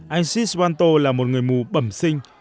anh siswanto là một người mù bẩm sinh